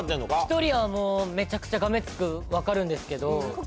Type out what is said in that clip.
１人はもうめちゃくちゃがめつく分かるんですけど。